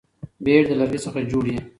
بیټ د لرګي څخه جوړ يي.